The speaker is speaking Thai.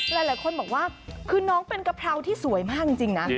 หลายคนบอกว่าคือน้องเป็นกะเพราที่สวยมากจริงนะ